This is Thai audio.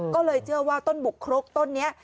ก็เลยเชื่อว่าต้นบุกครกต้นนี้